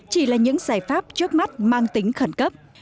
chỉ là những giải pháp trước mắt mang tính khẩn cấp